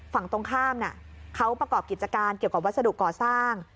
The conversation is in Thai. ฝั่งตรงข้ามเขาประกอบกิจการเกี่ยวกับวัสดุก่อสร้าง